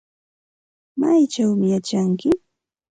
¿Maychawmi yachanki?